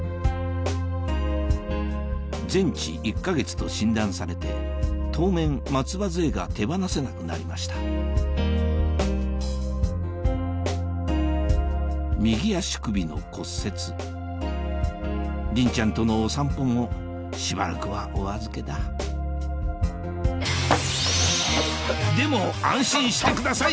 と診断されて当面松葉づえが手放せなくなりました右足首の骨折リンちゃんとのお散歩もしばらくはお預けだでも安心してください！